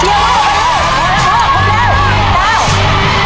พอแล้ว